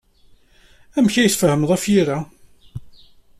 Amek ay tfehmeḍ afyir-a?